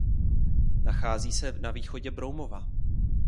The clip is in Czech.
Nachází se na východě Broumova.